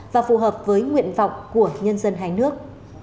và phù hợp với nguyện vọng của nhân dân hai nước